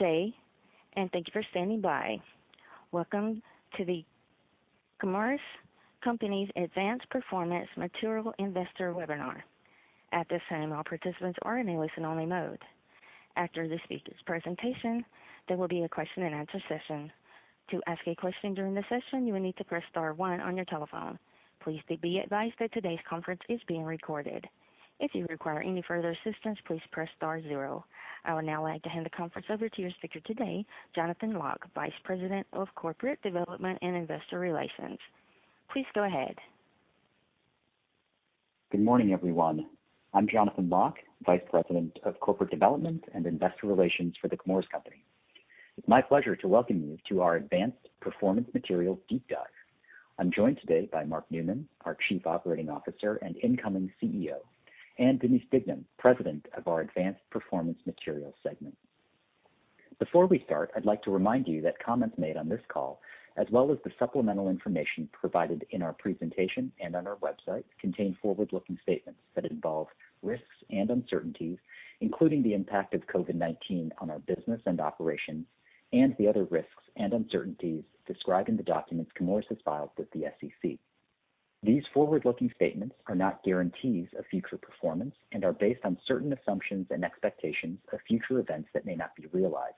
Okay, and thanks for standing by. Welcome to the Chemours Company's Advanced Performance Materials Investor webinar. At this time, all participants are in listen-only mode. After the speaker's presentation, there will be a question-and-answer session. To ask a question during this session, you will need to press star one on your telephone. Please be advised that today's conference is being recorded. If you require any further assistance, please press star zero. I would now like to hand the conference over to your speaker today, Jonathan Lock, Vice President of Corporate Development and Investor Relations. Please go ahead. Good morning, everyone. I'm Jonathan Lock, Vice President of Corporate Development and Investor Relations for The Chemours Company. It's my pleasure to welcome you to our Advanced Performance Materials deep dive. I'm joined today by Mark Newman, our Chief Operating Officer and incoming Chief Executive Officer, and Denise Dignam, President of our Advanced Performance Materials segment. Before we start, I'd like to remind you that comments made on this call, as well as the supplemental information provided in our presentation and on our website, contain forward-looking statements that involve risks and uncertainties, including the impact of COVID-19 on our business and operations and the other risks and uncertainties described in the documents Chemours has filed with the SEC. These forward-looking statements are not guarantees of future performance and are based on certain assumptions and expectations of future events that may not be realized.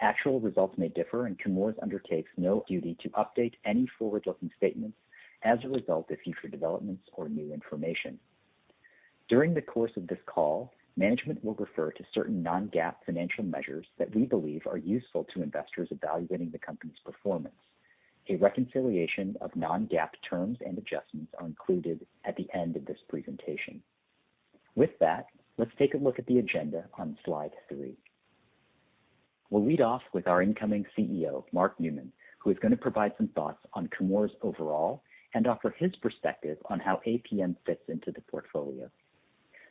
Actual results may differ, and Chemours undertakes no duty to update any forward-looking statements as a result of future developments or new information. During the course of this call, management will refer to certain non-GAAP financial measures that we believe are useful to investors evaluating the company's performance. A reconciliation of non-GAAP terms and adjustments are included at the end of this presentation. With that, let's take a look at the agenda on slide three. We'll lead off with our incoming CEO, Mark Newman, who is going to provide some thoughts on Chemours overall and offer his perspective on how APM fits into the portfolio.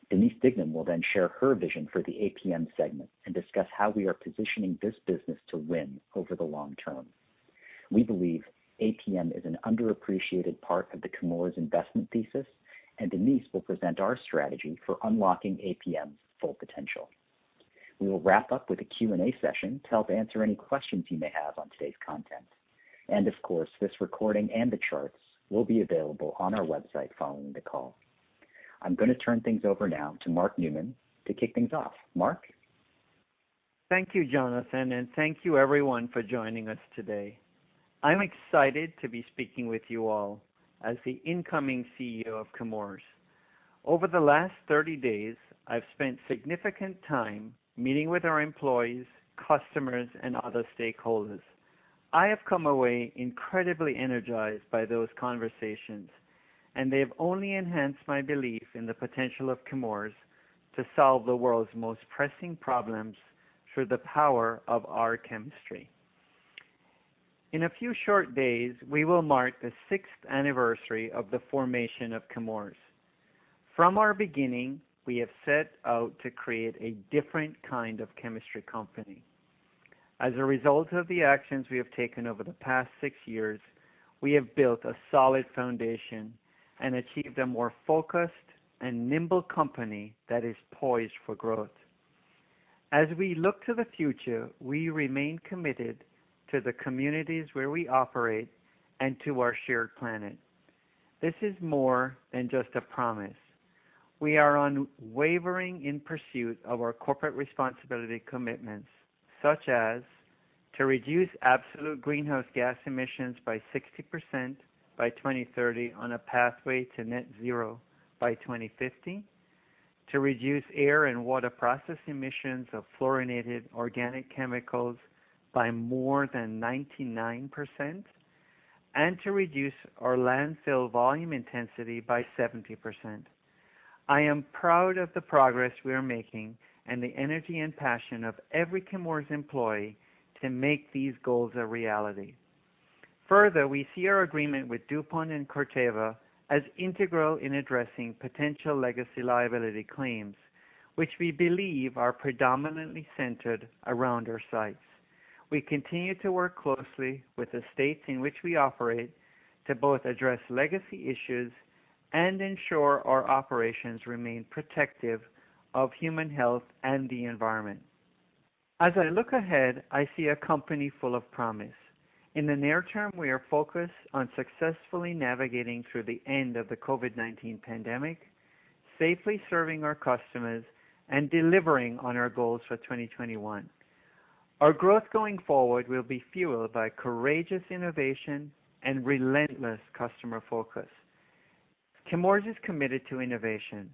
Denise Dignam will then share her vision for the APM segment and discuss how we are positioning this business to win over the long term. We believe APM is an underappreciated part of the Chemours investment thesis. Denise will present our strategy for unlocking APM's full potential. We will wrap up with a Q&A session to help answer any questions you may have on today's content. Of course, this recording and the charts will be available on our website following the call. I'm going to turn things over now to Mark Newman to kick things off. Mark? Thank you, Jonathan, and thank you everyone for joining us today. I'm excited to be speaking with you all as the incoming CEO of Chemours. Over the last 30 days, I've spent significant time meeting with our employees, customers, and other stakeholders. I have come away incredibly energized by those conversations, and they've only enhanced my belief in the potential of Chemours to solve the world's most pressing problems through the power of our chemistry. In a few short days, we will mark the sixth anniversary of the formation of Chemours. From our beginning, we have set out to create a different kind of chemistry company. As a result of the actions we have taken over the past six years, we have built a solid foundation and achieved a more focused and nimble company that is poised for growth. As we look to the future, we remain committed to the communities where we operate and to our shared planet. This is more than just a promise. We are unwavering in pursuit of our corporate responsibility commitments, such as to reduce absolute greenhouse gas emissions by 60% by 2030 on a pathway to net zero by 2050, to reduce air and water process emissions of fluorinated organic chemicals by more than 99%, and to reduce our landfill volume intensity by 70%. I am proud of the progress we are making and the energy and passion of every Chemours employee to make these goals a reality. Further, we see our agreement with DuPont and Corteva as integral in addressing potential legacy liability claims, which we believe are predominantly centered around our sites. We continue to work closely with the states in which we operate to both address legacy issues and ensure our operations remain protective of human health and the environment. As I look ahead, I see a company full of promise. In the near term, we are focused on successfully navigating through the end of the COVID-19 pandemic, safely serving our customers, and delivering on our goals for 2021. Our growth going forward will be fueled by courageous innovation and relentless customer focus. Chemours is committed to innovation,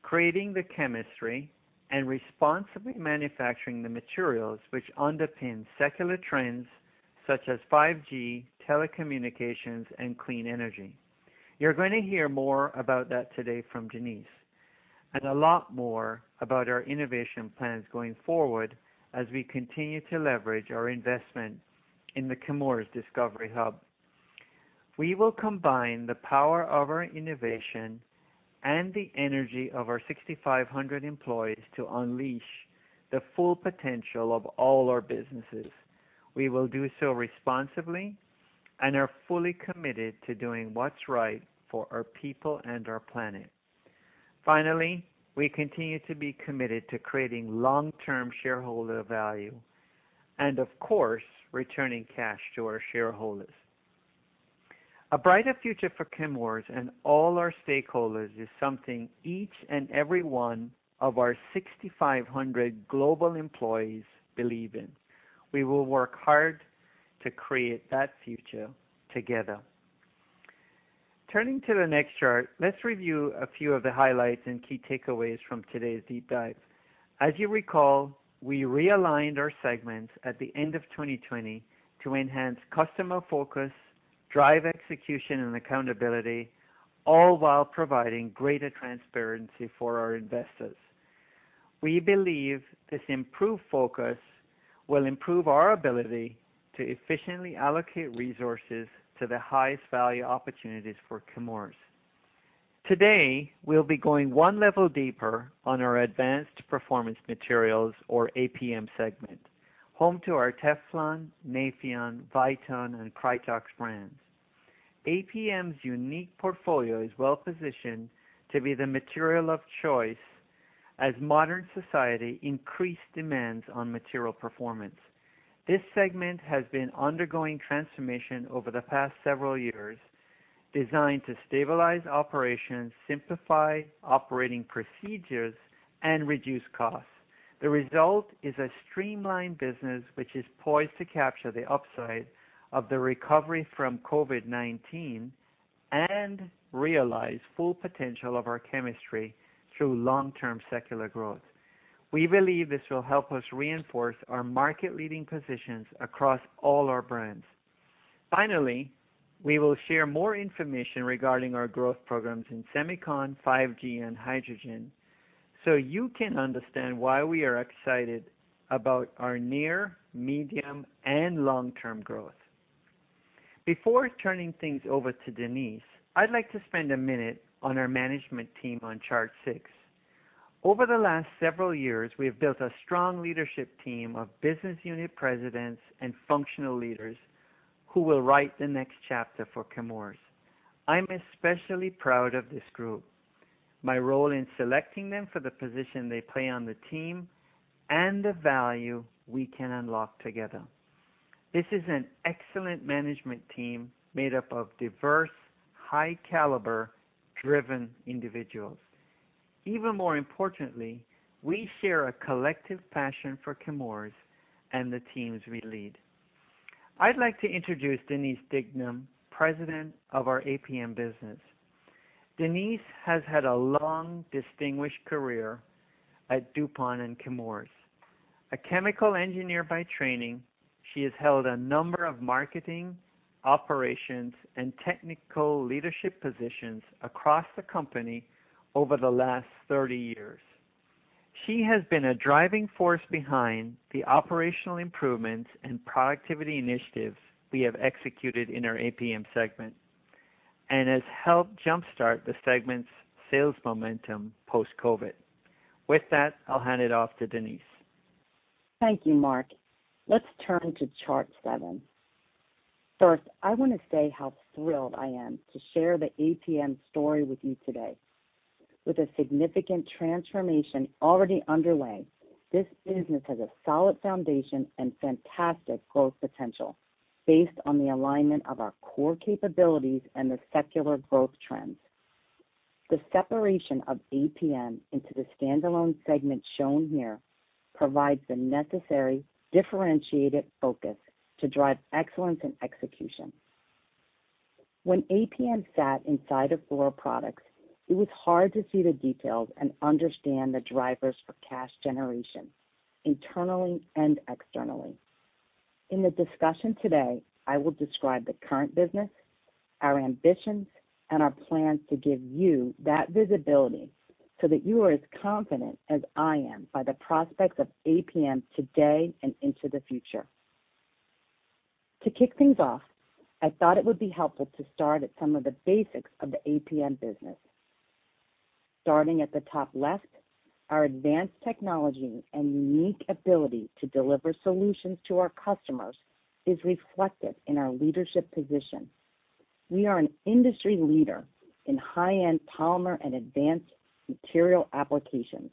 creating the chemistry, and responsibly manufacturing the materials which underpin secular trends such as 5G, telecommunications, and clean energy. You're going to hear more about that today from Denise, and a lot more about our innovation plans going forward as we continue to leverage our investment in the Chemours Discovery Hub. We will combine the power of our innovation and the energy of our 6,500 employees to unleash the full potential of all our businesses. We will do so responsibly and are fully committed to doing what's right for our people and our planet. Finally, we continue to be committed to creating long-term shareholder value and, of course, returning cash to our shareholders. A brighter future for Chemours and all our stakeholders is something each and every one of our 6,500 global employees believe in. We will work hard to create that future together. Turning to the next chart, let's review a few of the highlights and key takeaways from today's deep dive. As you recall, we realigned our segments at the end of 2020 to enhance customer focus, drive execution and accountability, all while providing greater transparency for our investors. We believe this improved focus will improve our ability to efficiently allocate resources to the highest value opportunities for Chemours. Today, we'll be going 1 level deeper on our Advanced Performance Materials or APM segment, home to our Teflon, Nafion, Viton, and Krytox brands. APM's unique portfolio is well-positioned to be the material of choice as modern society increase demands on material performance. This segment has been undergoing transformation over the past several years designed to stabilize operations, simplify operating procedures, and reduce costs. The result is a streamlined business which is poised to capture the upside of the recovery from COVID-19 and realize full potential of our chemistry through long-term secular growth. We believe this will help us reinforce our market-leading positions across all our brands. Finally, we will share more information regarding our growth programs in semicon, 5G, and hydrogen, so you can understand why we are excited about our near, medium, and long-term growth. Before turning things over to Denise, I'd like to spend a minute on our management team on chart six. Over the last several years, we have built a strong leadership team of business unit presidents and functional leaders who will write the next chapter for Chemours. I'm especially proud of this group, my role in selecting them for the position they play on the team, and the value we can unlock together. This is an excellent management team made up of diverse, high-caliber, driven individuals. Even more importantly, we share a collective passion for Chemours and the teams we lead. I'd like to introduce Denise Dignam, President of our APM business. Denise has had a long, distinguished career at DuPont and Chemours. A chemical engineer by training, she has held a number of marketing, operations, and technical leadership positions across the company over the last 30 years. She has been a driving force behind the operational improvements and productivity initiatives we have executed in our APM segment and has helped jumpstart the segment's sales momentum post-COVID. With that, I'll hand it off to Denise. Thank you, Mark. Let's turn to chart seven. First, I want to say how thrilled I am to share the APM story with you today. With a significant transformation already underway, this business has a solid foundation and fantastic growth potential based on the alignment of our core capabilities and the secular growth trends. The separation of APM into the standalone segment shown here provides the necessary differentiated focus to drive excellence in execution. When APM sat inside of Fluoroproducts, it was hard to see the details and understand the drivers for cash generation internally and externally. In the discussion today, I will describe the current business, our ambitions, and our plans to give you that visibility so that you are as confident as I am by the prospects of APM today and into the future. To kick things off, I thought it would be helpful to start at some of the basics of the APM business. Starting at the top left, our advanced technology and unique ability to deliver solutions to our customers is reflected in our leadership position. We are an industry leader in high-end polymer and Advanced Performance Materials applications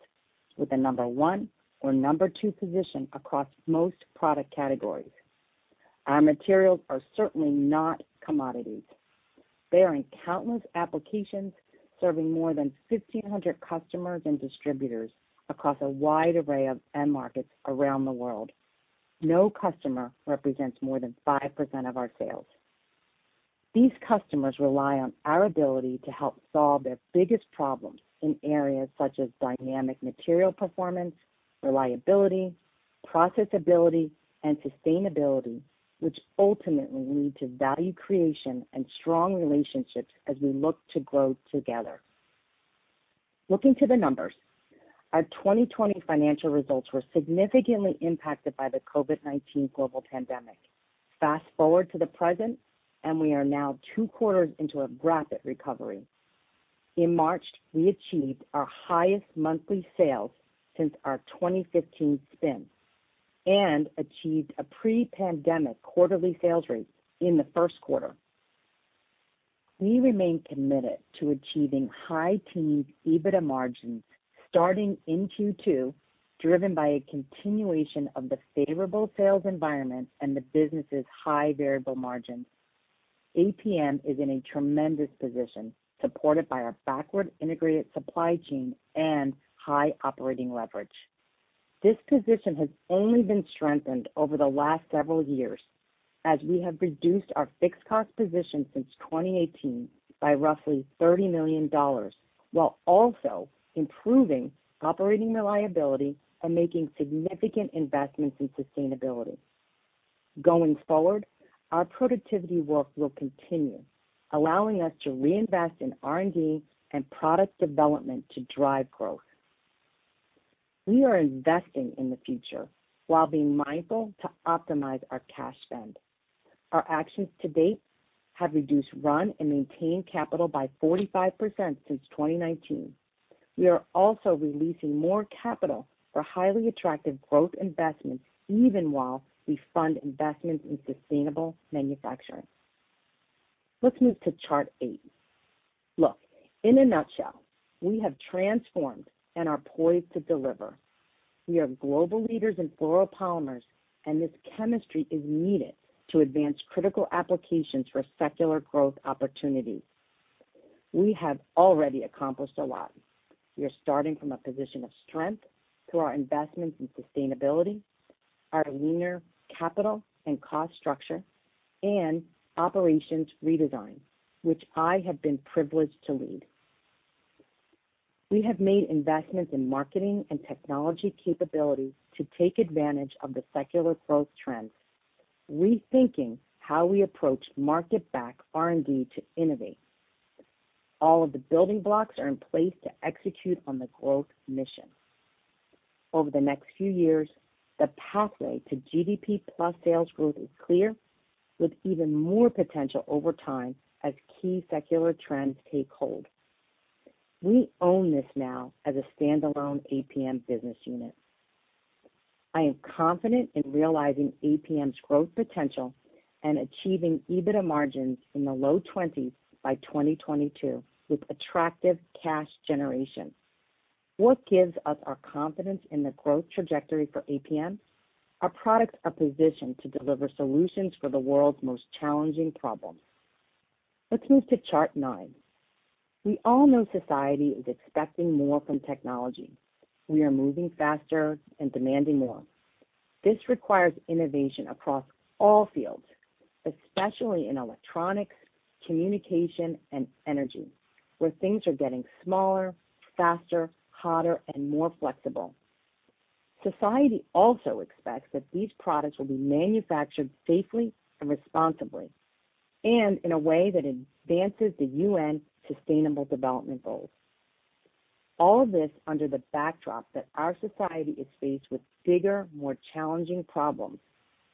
with a number one or number two position across most product categories. Our materials are certainly not commodities. They are in countless applications, serving more than 1,500 customers and distributors across a wide array of end markets around the world. No customer represents more than 5% of our sales. These customers rely on our ability to help solve their biggest problems in areas such as dynamic material performance, reliability, processability, and sustainability, which ultimately lead to value creation and strong relationships as we look to grow together. Looking to the numbers, our 2020 financial results were significantly impacted by the COVID-19 global pandemic. Fast-forward to the present, we are now two quarters into a rapid recovery. In March, we achieved our highest monthly sales since our 2015 spin and achieved a pre-pandemic quarterly sales rate in the first quarter. We remain committed to achieving high teens EBITDA margins starting in Q2, driven by a continuation of the favorable sales environment and the business's high variable margins. APM is in a tremendous position, supported by our backward-integrated supply chain and high operating leverage. This position has only been strengthened over the last several years, as we have reduced our fixed cost position since 2018 by roughly $30 million, while also improving operating reliability and making significant investments in sustainability. Going forward, our productivity work will continue, allowing us to reinvest in R&D and product development to drive growth. We are investing in the future while being mindful to optimize our cash spend. Our actions to date have reduced run and maintain capital by 45% since 2019. We are also releasing more capital for highly attractive growth investments, even while we fund investments in sustainable manufacturing. Let's move to chart eight. Look, in a nutshell, we have transformed and are poised to deliver. We are global leaders in fluoropolymers, and this chemistry is needed to advance critical applications for secular growth opportunities. We have already accomplished a lot. We are starting from a position of strength through our investments in sustainability, our leaner capital and cost structure, and operations redesign, which I have been privileged to lead. We have made investments in marketing and technology capabilities to take advantage of the secular growth trends, rethinking how we approach market-backed R&D to innovate. All of the building blocks are in place to execute on the growth mission. Over the next few years, the pathway to GDP plus sales growth is clear, with even more potential over time as key secular trends take hold. We own this now as a standalone APM business unit. I am confident in realizing APM's growth potential and achieving EBITDA margins in the low 20s by 2022, with attractive cash generation. What gives us our confidence in the growth trajectory for APM? Our products are positioned to deliver solutions for the world's most challenging problems. Let's move to chart nine. We all know society is expecting more from technology. We are moving faster and demanding more. This requires innovation across all fields, especially in electronics, communication, and energy, where things are getting smaller, faster, hotter, and more flexible. Society also expects that these products will be manufactured safely and responsibly, and in a way that advances the UN Sustainable Development Goals. All of this under the backdrop that our society is faced with bigger, more challenging problems,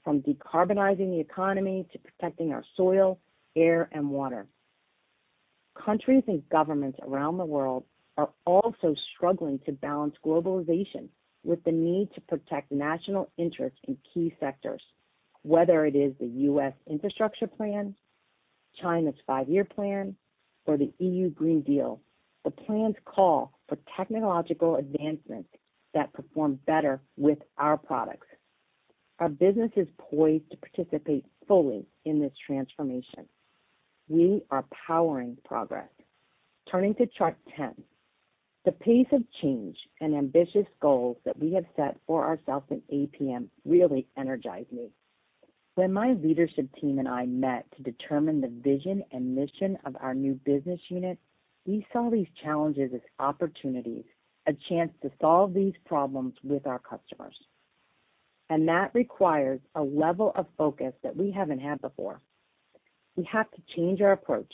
from decarbonizing the economy to protecting our soil, air, and water. Countries and governments around the world are also struggling to balance globalization with the need to protect national interests in key sectors. Whether it is the U.S. Infrastructure Plan, China's Five-Year Plan, or the European Green Deal, the plans call for technological advancements that perform better with our products. Our business is poised to participate fully in this transformation. We are powering progress. Turning to chart 10. The pace of change and ambitious goals that we have set for ourselves in APM really energize me. When my leadership team and I met to determine the vision and mission of our new business unit, we saw these challenges as opportunities, a chance to solve these problems with our customers. That requires a level of focus that we haven't had before. We have to change our approach.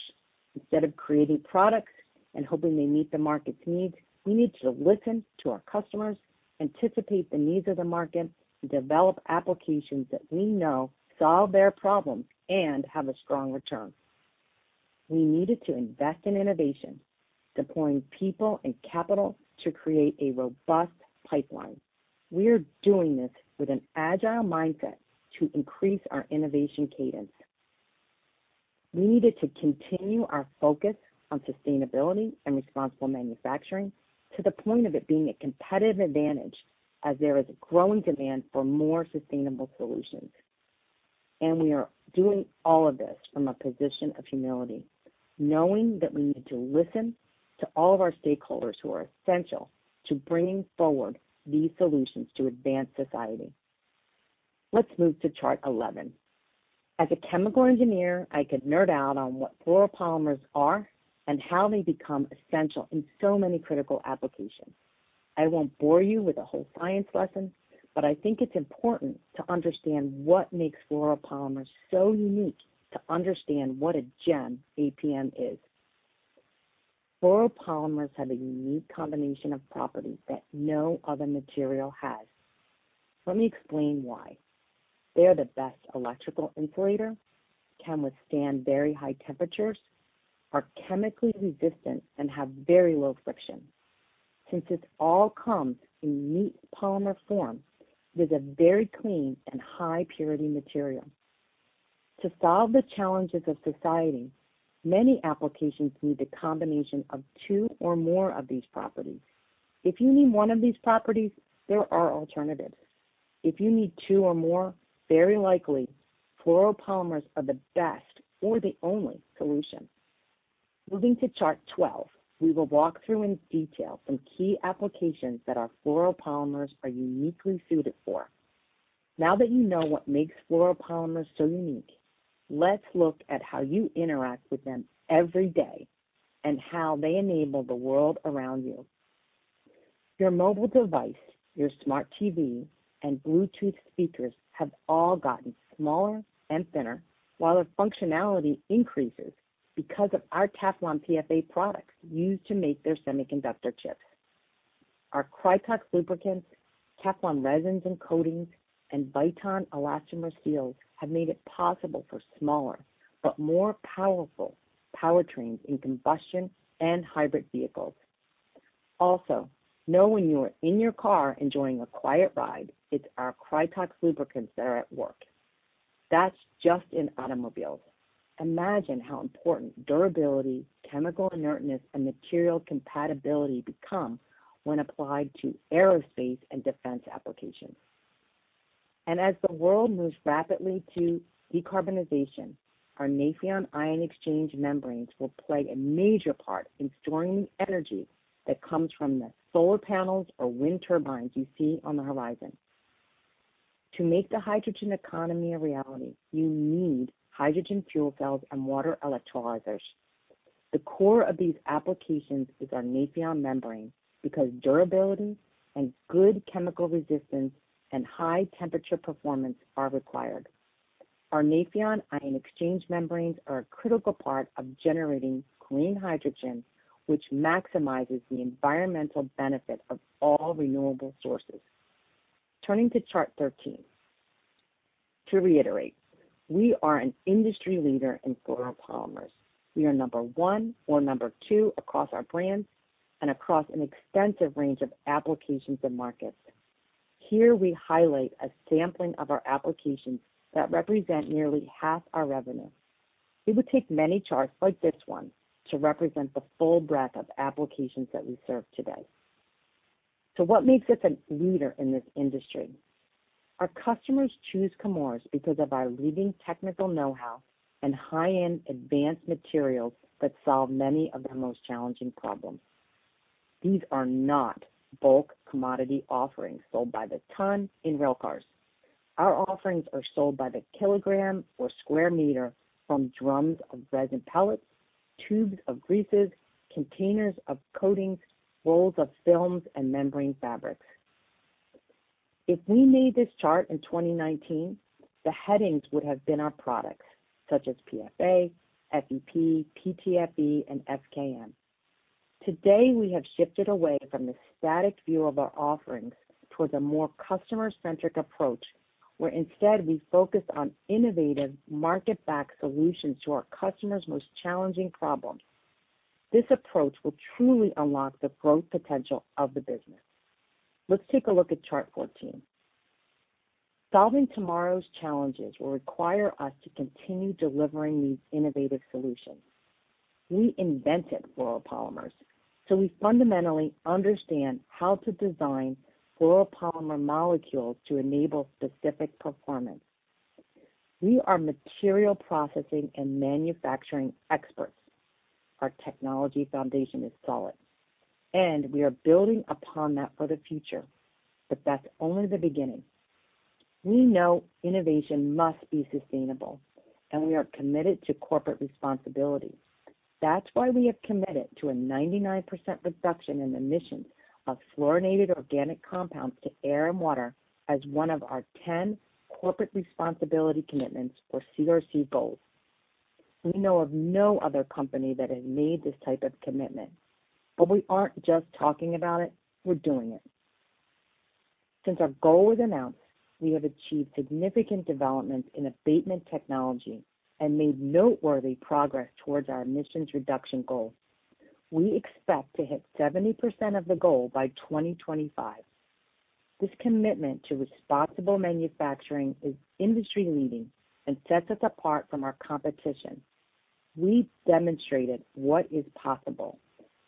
Instead of creating products and hoping they meet the market's needs, we need to listen to our customers, anticipate the needs of the market, and develop applications that we know solve their problems and have a strong return. We needed to invest in innovation, deploying people and capital to create a robust pipeline. We are doing this with an agile mindset to increase our innovation cadence. We needed to continue our focus on sustainability and responsible manufacturing to the point of it being a competitive advantage as there is growing demand for more sustainable solutions. We are doing all of this from a position of humility, knowing that we need to listen to all of our stakeholders who are essential to bringing forward these solutions to advance society. Let's move to chart 11. As a chemical engineer, I could nerd out on what fluoropolymers are and how they become essential in so many critical applications. I won't bore you with a whole science lesson, but I think it's important to understand what makes fluoropolymers so unique to understand what a gem APM is. Fluoropolymers have a unique combination of properties that no other material has. Let me explain why. They are the best electrical insulator, can withstand very high temperatures, are chemically resistant, and have very low friction. Since it all comes in neat polymer form, it is a very clean and high purity material. To solve the challenges of society, many applications need the combination of two or more of these properties. If you need one of these properties, there are alternatives. If you need two or more, very likely, fluoropolymers are the best or the only solution. Moving to Chart 12, we will walk through in detail some key applications that our fluoropolymers are uniquely suited for. Now that you know what makes fluoropolymers so unique, let's look at how you interact with them every day and how they enable the world around you. Your mobile device, your smart TV, and Bluetooth speakers have all gotten smaller and thinner while their functionality increases because of our Teflon PFA products used to make their semiconductor chips. Our Krytox lubricants, Teflon resins and coatings, and Viton elastomer seals have made it possible for smaller but more powerful powertrains in combustion and hybrid vehicles. Know when you are in your car enjoying a quiet ride, it's our Krytox lubricants there at work. That's just in automobiles. Imagine how important durability, chemical inertness, and material compatibility become when applied to aerospace and defense applications. As the world moves rapidly to decarbonization, our Nafion ion exchange membranes will play a major part in storing the energy that comes from the solar panels or wind turbines you see on the horizon. To make the hydrogen economy a reality, you need hydrogen fuel cells and water electrolyzers. The core of these applications is our Nafion membrane because durability and good chemical resistance and high temperature performance are required. Our Nafion ion exchange membranes are a critical part of generating clean hydrogen, which maximizes the environmental benefit of all renewable sources. Turning to Chart 13. To reiterate, we are an industry leader in fluoropolymers. We are number one or number two across our brands and across an extensive range of applications and markets. Here we highlight a sampling of our applications that represent nearly half our revenue. It would take many charts like this one to represent the full breadth of applications that we serve today. What makes us a leader in this industry? Our customers choose Chemours because of our leading technical know-how and high-end advanced materials that solve many of their most challenging problems. These are not bulk commodity offerings sold by the ton in railcars. Our offerings are sold by the kilogram or square meter from drums of resin pellets, tubes of greases, containers of coatings, rolls of films, and membrane fabrics. If we made this chart in 2019, the headings would have been our products, such as PFA, FEP, PTFE, and FKM. Today, we have shifted away from the static view of our offerings towards a more customer-centric approach, where instead we focus on innovative market-backed solutions to our customers' most challenging problems. This approach will truly unlock the growth potential of the business. Let's take a look at Chart 14. Solving tomorrow's challenges will require us to continue delivering these innovative solutions. We invented fluoropolymers, so we fundamentally understand how to design fluoropolymer molecules to enable specific performance. We are material processing and manufacturing experts. Our technology foundation is solid, and we are building upon that for the future, but that's only the beginning. We know innovation must be sustainable, and we are committed to corporate responsibility. That's why we have committed to a 99% reduction in emissions of fluorinated organic compounds to air and water as one of our 10 corporate responsibility commitments or CRC goals. We know of no other company that has made this type of commitment. We aren't just talking about it, we're doing it. Since our goal was announced, we have achieved significant developments in abatement technology and made noteworthy progress towards our emissions reduction goals. We expect to hit 70% of the goal by 2025. This commitment to responsible manufacturing is industry-leading and sets us apart from our competition. We've demonstrated what is possible,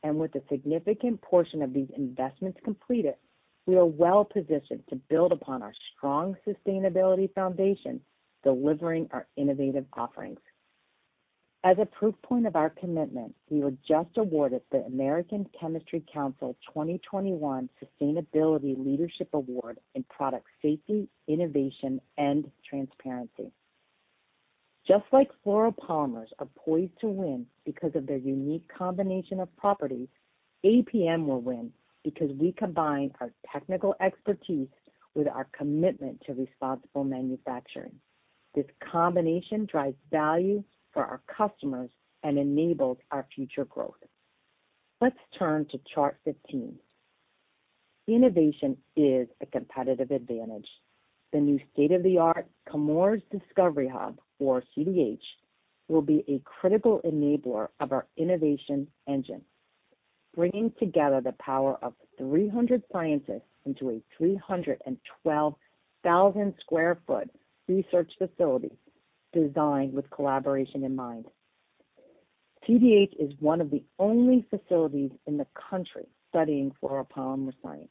and with a significant portion of these investments completed, we are well-positioned to build upon our strong sustainability foundation, delivering our innovative offerings. As a proof point of our commitment, we were just awarded the American Chemistry Council 2021 Sustainability Leadership Award in Product Safety, Innovation, and Transparency. Just like fluoropolymers are poised to win because of their unique combination of properties, APM will win because we combine our technical expertise with our commitment to responsible manufacturing. This combination drives value for our customers and enables our future growth. Let's turn to Chart 15. Innovation is a competitive advantage. The new state-of-the-art Chemours Discovery Hub, or CDH, will be a critical enabler of our innovation engine, bringing together the power of 300 scientists into a 312,000 sq ft research facility designed with collaboration in mind. CDH is one of the only facilities in the country studying fluoropolymer science,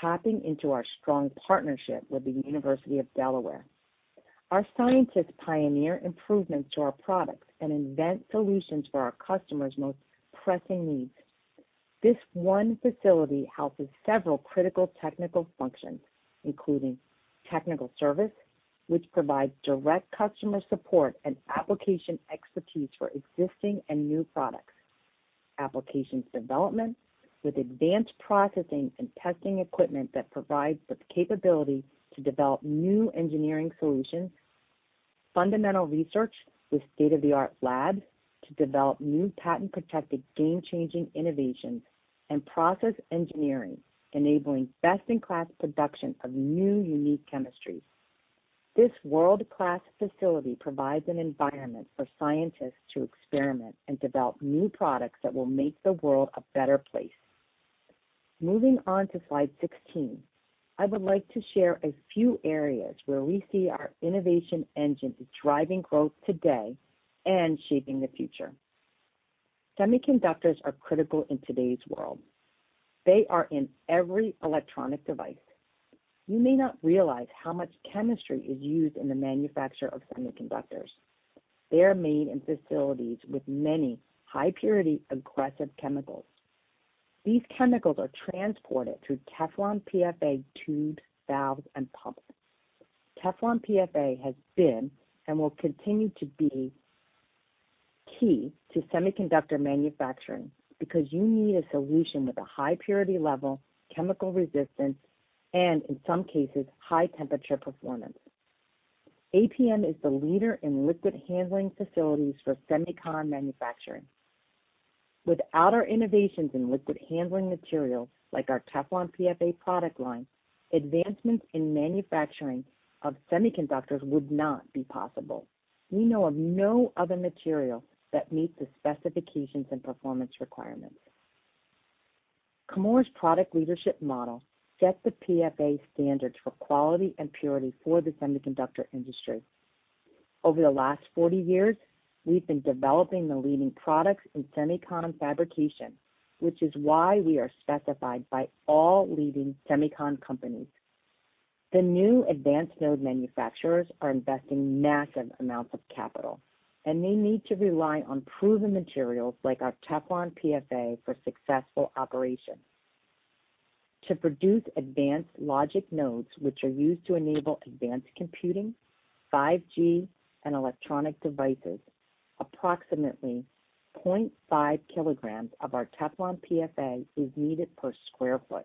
tapping into our strong partnership with the University of Delaware. Our scientists pioneer improvements to our products and invent solutions for our customers' most pressing needs. This one facility houses several critical technical functions, including technical service, which provides direct customer support and application expertise for existing and new products. Applications development with advanced processing and testing equipment that provides the capability to develop new engineering solutions, fundamental research with state-of-the-art labs to develop new patent-protected game-changing innovations, and process engineering enabling best-in-class production of new unique chemistries. This world-class facility provides an environment for scientists to experiment and develop new products that will make the world a better place. Moving on to slide 16, I would like to share a few areas where we see our innovation engines driving growth today and shaping the future. Semiconductors are critical in today's world. They are in every electronic device. You may not realize how much chemistry is used in the manufacture of semiconductors. They are made in facilities with many high-purity aggressive chemicals. These chemicals are transported through Teflon PFA tubes, valves, and pumps. Teflon PFA has been, and will continue to be, key to semiconductor manufacturing because you need a solution with a high purity level, chemical resistance, and in some cases, high temperature performance. APM is the leader in liquid handling facilities for semicon manufacturing. Without our innovations in liquid handling materials like our Teflon PFA product line, advancements in manufacturing of semiconductors would not be possible. We know of no other material that meets the specifications and performance requirements. Chemours' product leadership model sets the PFA standards for quality and purity for the semiconductor industry. Over the last 40 years, we've been developing the leading products in semicon fabrication, which is why we are specified by all leading semicon companies. The new advanced node manufacturers are investing massive amounts of capital, and they need to rely on proven materials like our Teflon PFA for successful operations. To produce advanced logic nodes, which are used to enable advanced computing, 5G, and electronic devices, approximately 0.5 kg of our Teflon PFA is needed per square foot.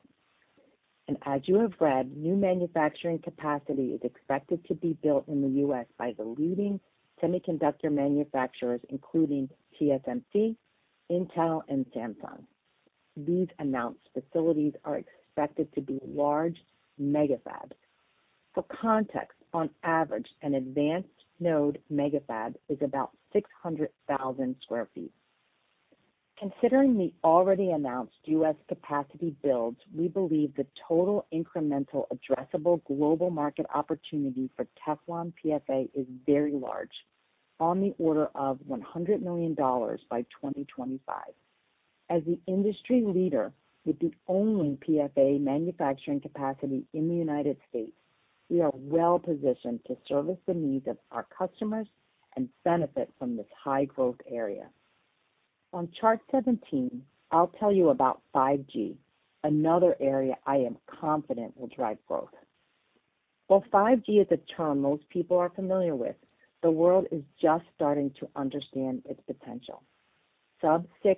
As you have read, new manufacturing capacity is expected to be built in the U.S. by the leading semiconductor manufacturers, including TSMC, Intel, and Samsung. These announced facilities are expected to be large mega fabs. For context, on average, an advanced node mega fab is about 600,000 sq ft. Considering the already announced U.S. capacity builds, we believe the total incremental addressable global market opportunity for Teflon PFA is very large, on the order of $100 million by 2025. As the industry leader with the only PFA manufacturing capacity in the United States, we are well positioned to service the needs of our customers and benefit from this high-growth area. On chart 17, I'll tell you about 5G, another area I am confident will drive growth. While 5G is a term most people are familiar with, the world is just starting to understand its potential. Sub-6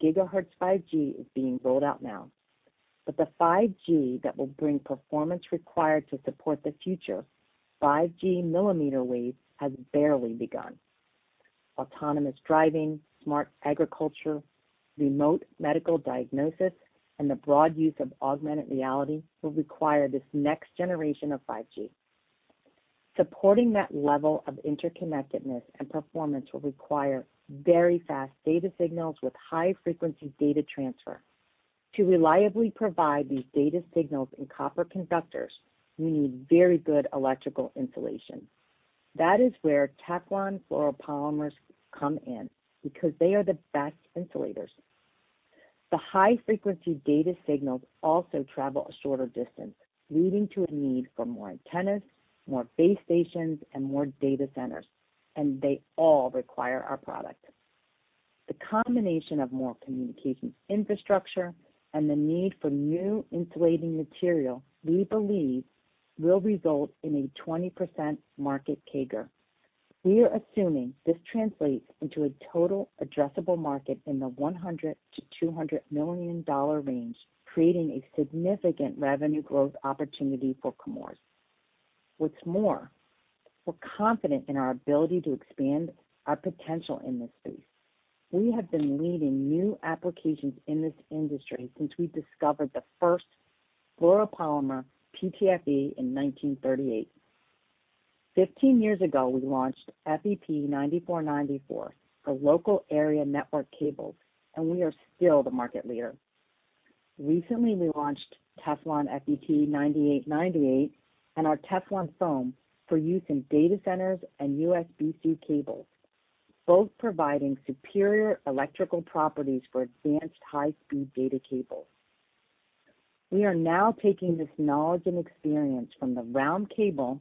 GHz 5G is being rolled out now, but the 5G that will bring performance required to support the future, 5G millimeter waves, has barely begun. Autonomous driving, smart agriculture, remote medical diagnosis, and the broad use of augmented reality will require this next generation of 5G. Supporting that level of interconnectedness and performance will require very fast data signals with high-frequency data transfer. To reliably provide these data signals in copper conductors, we need very good electrical insulation. That is where Teflon fluoropolymers come in, because they are the best insulators. The high-frequency data signals also travel a shorter distance, leading to a need for more antennas, more base stations, and more data centers, and they all require our products. The combination of more communications infrastructure and the need for new insulating material, we believe, will result in a 20% market CAGR. We are assuming this translates into a total addressable market in the $100 million-$200 million range, creating a significant revenue growth opportunity for Chemours. What's more, we're confident in our ability to expand our potential in this space. We have been leading new applications in this industry since we discovered the first fluoropolymer, PTFE, in 1938. 15 years ago, we launched FEP 9494 for local area network cables, and we are still the market leader. Recently, we launched Teflon FEP 9898 and our Teflon foam for use in data centers and USB-C cables, both providing superior electrical properties for advanced high-speed data cables. We are now taking this knowledge and experience from the round cable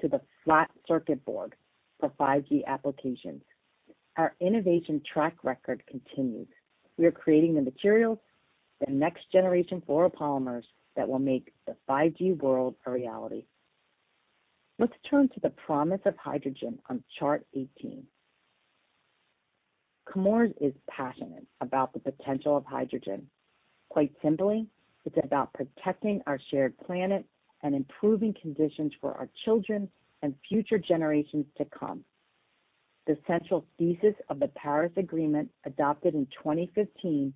to the flat circuit board for 5G applications. Our innovation track record continues. We are creating the materials, the next generation fluoropolymers, that will make the 5G world a reality. Let's turn to the promise of hydrogen on Chart 18. Chemours is passionate about the potential of hydrogen. Quite simply, it's about protecting our shared planet and improving conditions for our children and future generations to come. The central thesis of the Paris Agreement, adopted in 2015,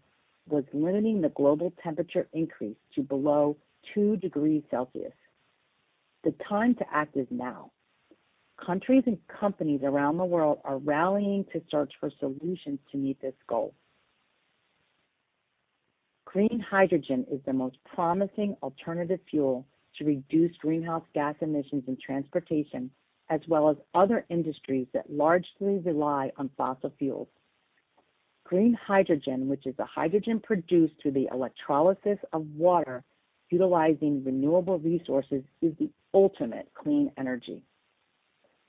was limiting the global temperature increase to below 2 degrees Celsius. The time to act is now. Countries and companies around the world are rallying to search for solutions to meet this goal. Green hydrogen is the most promising alternative fuel to reduce greenhouse gas emissions in transportation, as well as other industries that largely rely on fossil fuels. Green hydrogen, which is the hydrogen produced through the electrolysis of water utilizing renewable resources, is the ultimate clean energy.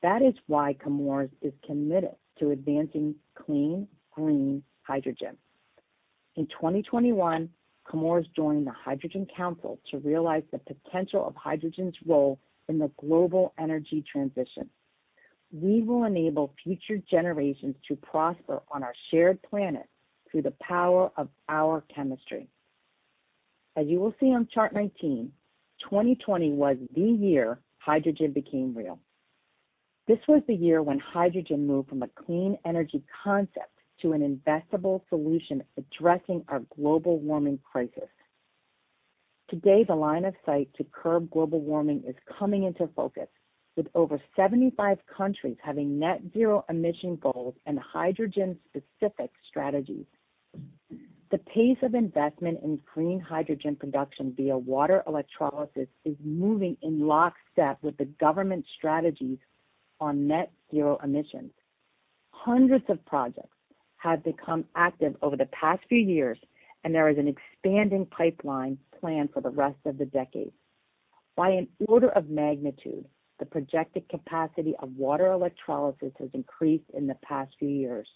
That is why Chemours is committed to advancing clean, green hydrogen. In 2021, Chemours joined The Hydrogen Council to realize the potential of hydrogen's role in the global energy transition. We will enable future generations to prosper on our shared planet through the power of our chemistry. As you will see on Chart 19, 2020 was the year hydrogen became real. This was the year when hydrogen moved from a clean energy concept to an investable solution addressing our global warming crisis. Today, the line of sight to curb global warming is coming into focus, with over 75 countries having net zero emission goals and hydrogen-specific strategies. The pace of investment in green hydrogen production via water electrolysis is moving in lockstep with the government strategies on net zero emissions. Hundreds of projects have become active over the past few years, and there is an expanding pipeline planned for the rest of the decade. By an order of magnitude, the projected capacity of water electrolysis has increased in the past few years.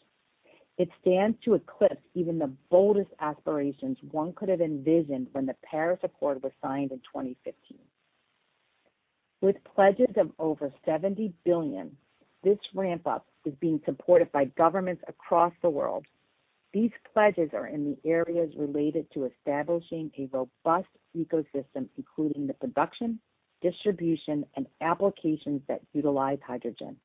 It stands to eclipse even the boldest aspirations one could have envisioned when the Paris Agreement was signed in 2015. With pledges of over $70 billion, this ramp-up is being supported by governments across the world. These pledges are in the areas related to establishing a robust ecosystem, including the production, distribution, and applications that utilize hydrogen.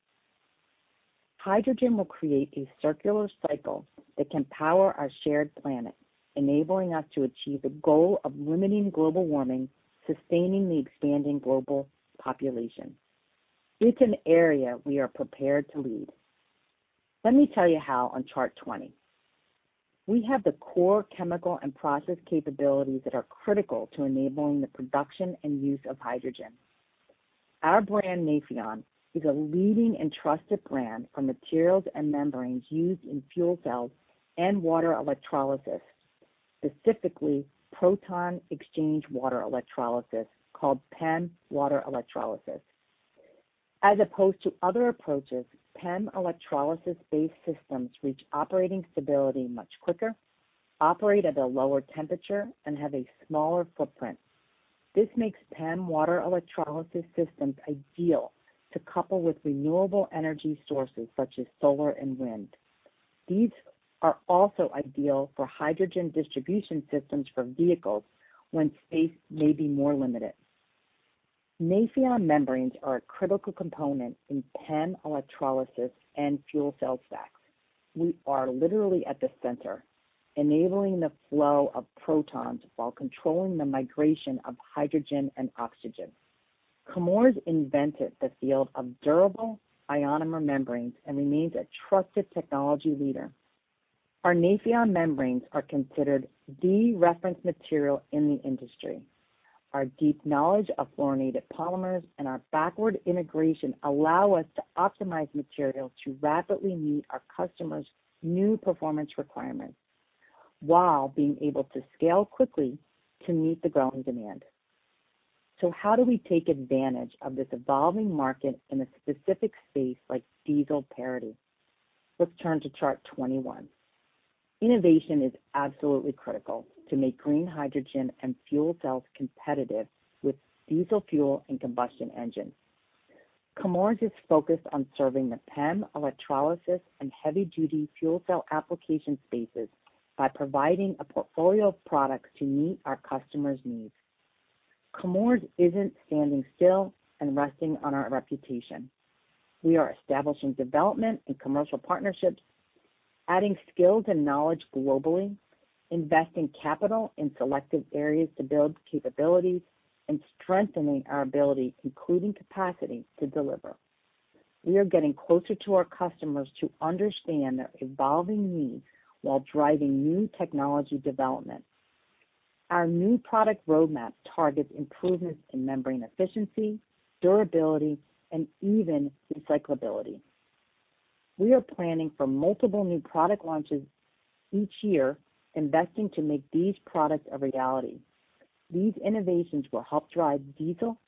Hydrogen will create a circular cycle that can power our shared planet, enabling us to achieve the goal of limiting global warming, sustaining the expanding global population. It's an area we are prepared to lead. Let me tell you how on Chart 20. We have the core chemical and process capabilities that are critical to enabling the production and use of hydrogen. Our brand, Nafion, is a leading and trusted brand for materials and membranes used in fuel cells and water electrolysis, specifically proton exchange water electrolysis, called PEM water electrolysis. As opposed to other approaches, PEM electrolysis-based systems reach operating stability much quicker, operate at a lower temperature, and have a smaller footprint. This makes PEM water electrolysis systems ideal to couple with renewable energy sources such as solar and wind. These are also ideal for hydrogen distribution systems for vehicles when space may be more limited. Nafion membranes are a critical component in PEM electrolysis and fuel cell stacks. We are literally at the center, enabling the flow of protons while controlling the migration of hydrogen and oxygen. Chemours invented the field of durable ionomer membranes and remains a trusted technology leader. Our Nafion membranes are considered the reference material in the industry. Our deep knowledge of fluorinated polymers and our backward integration allow us to optimize materials to rapidly meet our customers' new performance requirements while being able to scale quickly to meet the growing demand. How do we take advantage of this evolving market in a specific space like diesel parity? Let's turn to Chart 21. Innovation is absolutely critical to make green hydrogen and fuel cells competitive with diesel fuel and combustion engines. Chemours is focused on serving the PEM electrolysis and heavy-duty fuel cell application spaces by providing a portfolio of products to meet our customers' needs. Chemours isn't standing still and resting on our reputation. We are establishing development and commercial partnerships, adding skills and knowledge globally, investing capital in selected areas to build capabilities, and strengthening our ability, including capacity, to deliver. We are getting closer to our customers to understand their evolving needs while driving new technology development. Our new product roadmap targets improvements in membrane efficiency, durability, and even recyclability. We are planning for multiple new product launches each year, investing to make these products a reality. These innovations will help drive diesel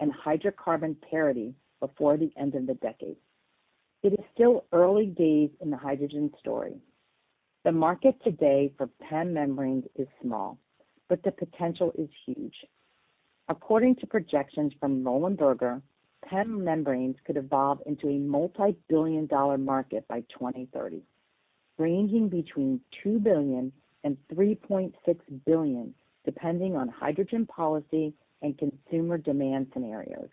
and hydrocarbon parity before the end of the decade. It is still early days in the hydrogen story. The market today for PEM membranes is small, but the potential is huge. According to projections from Roland Berger, PEM membranes could evolve into a multi-billion-dollar market by 2030, ranging between $2 billion and $3.6 billion, depending on hydrogen policy and consumer demand scenarios.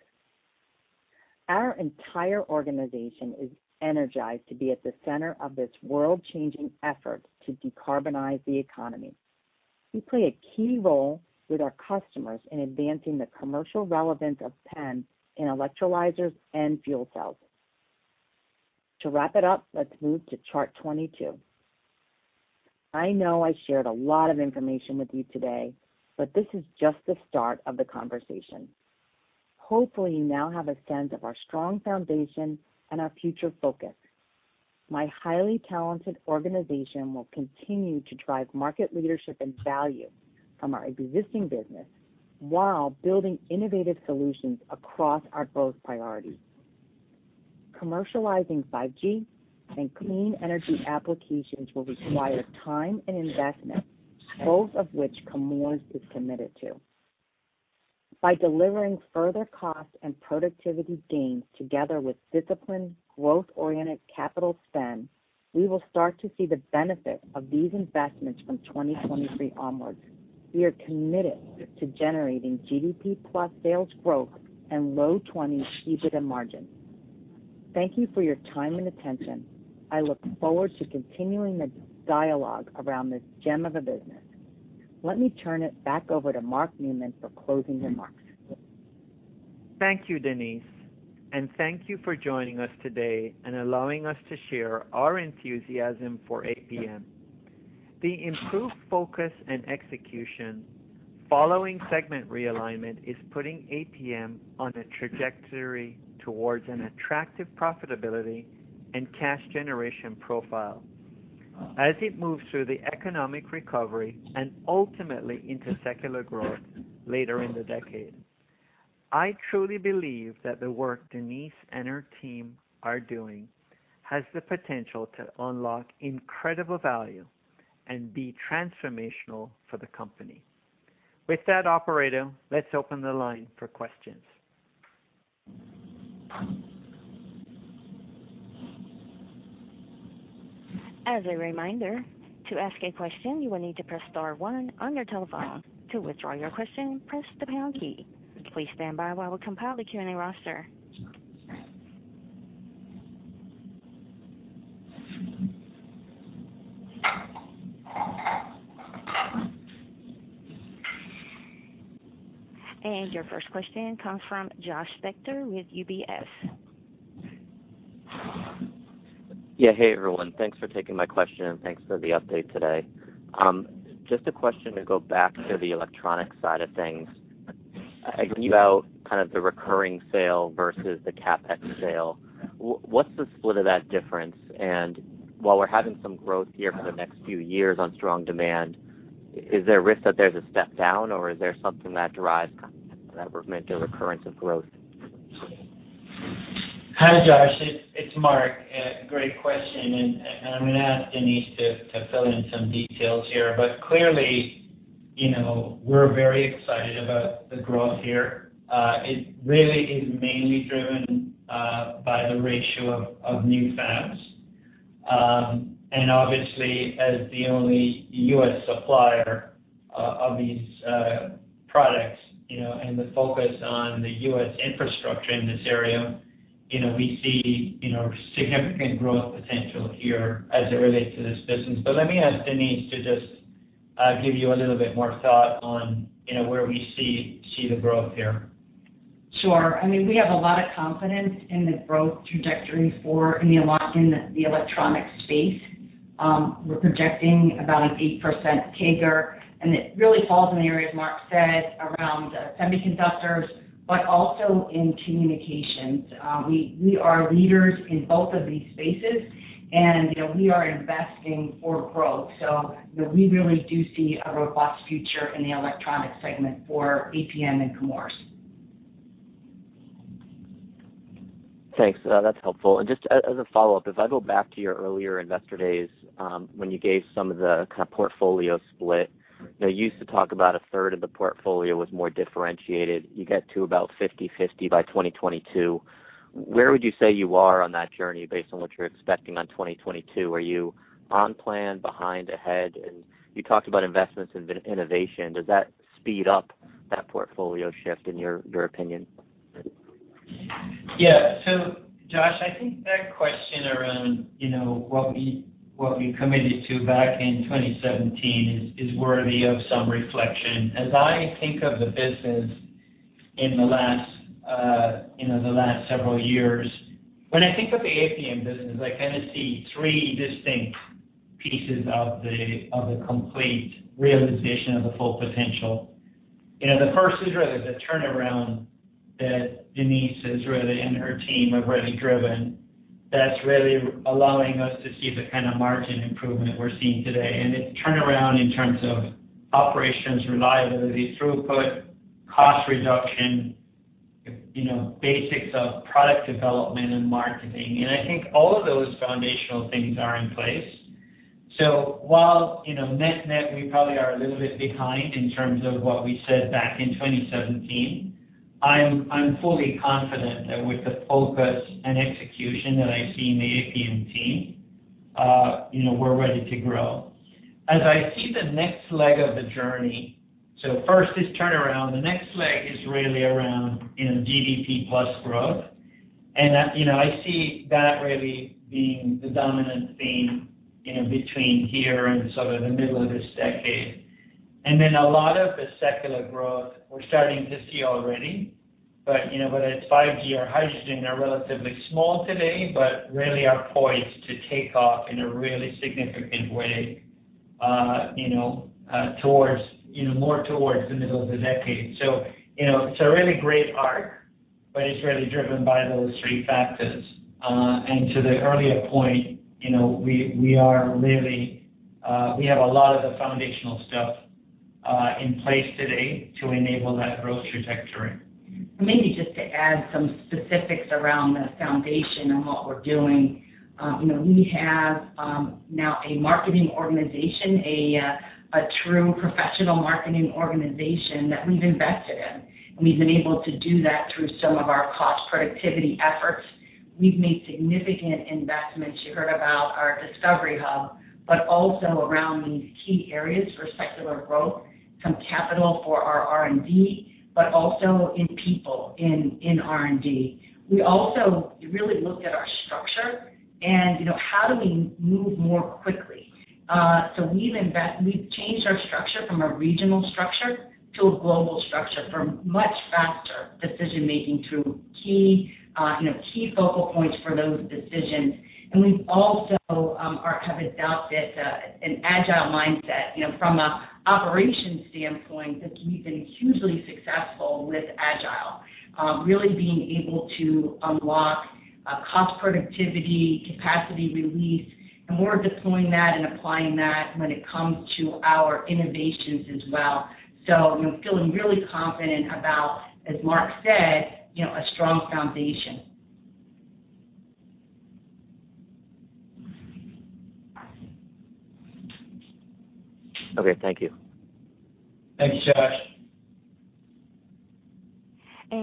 Our entire organization is energized to be at the center of this world-changing effort to decarbonize the economy. We play a key role with our customers in advancing the commercial relevance of PEM in electrolyzers and fuel cells. To wrap it up, let's move to Chart 22. I know I shared a lot of information with you today, but this is just the start of the conversation. Hopefully, you now have a sense of our strong foundation and our future focus. My highly talented organization will continue to drive market leadership and value from our existing business while building innovative solutions across our growth priorities. Commercializing 5G and clean energy applications will require time and investment, both of which Chemours is committed to. By delivering further cost and productivity gains together with disciplined, growth-oriented capital spend, we will start to see the benefit of these investments from 2023 onwards. We are committed to generating GDP-plus sales growth and low 20s EBITDA margins. Thank you for your time and attention. I look forward to continuing the dialogue around this gem of a business. Let me turn it back over to Mark Newman for closing remarks. Thank you, Denise, and thank you for joining us today and allowing us to share our enthusiasm for APM. The improved focus and execution following segment realignment is putting APM on a trajectory towards an attractive profitability and cash generation profile as it moves through the economic recovery and ultimately into secular growth later in the decade. I truly believe that the work Denise and her team are doing has the potential to unlock incredible value and be transformational for the company. With that, operator, let's open the line for questions. As a reminder, to ask a question, you will need to press star one on your telephone. To withdraw your question, press the pound key. Please stand by while we compile the queuing roster. Your first question comes from Josh Spector with UBS. Yeah. Hey, everyone. Thanks for taking my question, and thanks for the update today. Just a question to go back to the electronics side of things. Think about the recurring sale versus the CapEx sale. What's the split of that difference? While we're having some growth here for the next few years on strong demand, is there a risk that there's a step down, or is there something that drives that recurrent growth? Hi, Josh. It's Mark. Great question. I'm going to ask Denise to fill in some details here. Clearly, we're very excited about the growth here. It really is mainly driven by the ratio of new fabs. Obviously, as the only U.S. supplier of these products, and the focus on the U.S. infrastructure in this area, we see significant growth potential here as it relates to this business. Let me ask Denise to just give you a little bit more thought on where we see the growth here. Sure. We have a lot of confidence in the growth trajectory for in the electronics space. We're projecting about an 8% CAGR, and it really falls in the areas Mark said around semiconductors, but also in communications. We are leaders in both of these spaces and we are investing for growth. We really do see a robust future in the electronic segment for APM and Chemours. Thanks. That's helpful. Just as a follow-up, if I go back to your earlier investor days, when you gave some of the portfolio split. You used to talk about 1/3 of the portfolio was more differentiated. You get to about 50/50 by 2022. Where would you say you are on that journey based on what you're expecting on 2022? Are you on plan, behind, ahead? You talked about investments in innovation. Does that speed up that portfolio shift in your opinion? Yeah. Josh, I think that question around what we committed to back in 2017 is worthy of some reflection. As I think of the business in the last several years, when I think of the APM business, I see three distinct pieces of the complete realization of the full potential. The first is really the turnaround that Denise and her team have really driven, that's really allowing us to see the kind of margin improvement we're seeing today, and a turnaround in terms of operations, reliability, throughput, cost reduction, basics of product development and marketing. I think all of those foundational things are in place. While net new, we probably are a little bit behind in terms of what we said back in 2017. I'm fully confident that with the focus and execution that I see in the APM team, we're ready to grow. As I see the next leg of the journey, so first, it's turnaround. The next leg is really around GDP plus growth. I see that really being the dominant theme, between here and sort of the middle of this decade. A lot of the secular growth we're starting to see already, but whether it's 5G or hydrogen, they're relatively small today, but really are poised to take off in a really significant way more towards the middle of the decade. It's a really great arc, but it's really driven by those three factors. To the earlier point, we have a lot of the foundational stuff in place today to enable that growth trajectory. Maybe just to add some specifics around the foundation and what we're doing. We have now a marketing organization, a true professional marketing organization that we've invested in, and we've been able to do that through some of our cost productivity efforts. We've made significant investments. You heard about our Discovery Hub, but also around these key areas for secular growth, some capital for our R&D, but also in people in R&D. We also really looked at our structure and how do we move more quickly. We've changed our structure from a regional structure to a global structure for much faster decision-making through key focal points for those decisions. We also have adopted an agile mindset. From an operations standpoint, we've been hugely successful with agile. Really being able to unlock cost productivity, capacity release, and we're deploying that and applying that when it comes to our innovations as well. I'm feeling really confident about, as Mark said, a strong foundation. Okay. Thank you. Thanks, Josh.